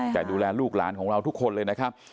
แต่ดูแลลูกหลานของเราทุกคนเลยนะครับ